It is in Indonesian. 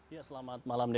ya selamat malam